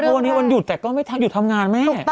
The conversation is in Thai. วันนี้วันหยุดแต่ก็ไม่หยุดทำงานไหม